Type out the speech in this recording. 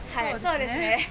そうですね。